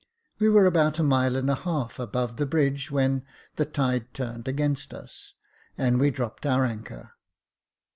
We were about a mile and a half above the bridge when the tide turned against us, and we dropped our anchor.